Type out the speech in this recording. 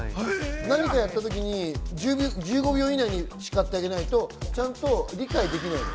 何かをやった時に１５秒以内に叱ってあげないと理解できないの。